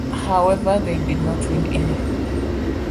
However, they did not win any.